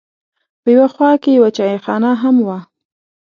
په یوه خوا کې یوه چایخانه هم وه.